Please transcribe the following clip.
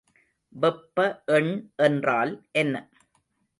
வெப்ப எண் என்றால் என்ன?